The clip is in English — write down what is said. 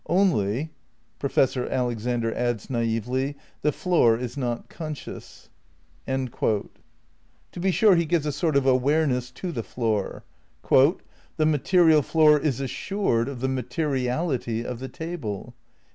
Only,"' Professor Alexander adds naively, "the floor is not conscious. '' To be sure he gives a sort of awareness to the floor. "The material floor is assured of the materiality of the table."